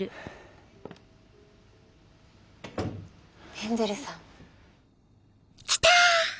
ヘンゼルさん。来た！